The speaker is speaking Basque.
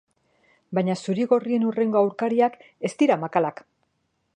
Baina zuri-gorrien hurrengo aurkariak ez dira makalak.